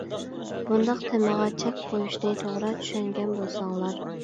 بۇنداق تېمىغا چەك قۇيۇشنى توغرا چۈشەنگەن بولساڭلار.